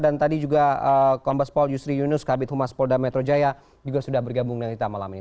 tadi juga kombes pol yusri yunus kabit humas polda metro jaya juga sudah bergabung dengan kita malam ini